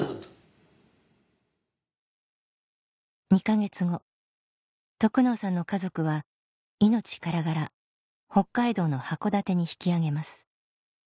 ２か月後得能さんの家族は命からがら北海道の函館に引き揚げます